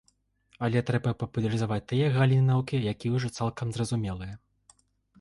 Але трэба папулярызаваць тыя галіны навукі, якія ўжо цалкам зразумелыя.